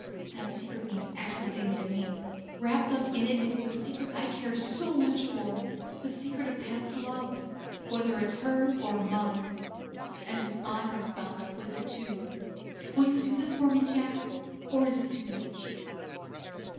That secret means everything to me. Wrapped up in it is the secret I care so much more for, the secret of Pat's love whether it's hers or mine. And his honour is bound up with it, too. Will you do this for me, Jack? Or is it too much?"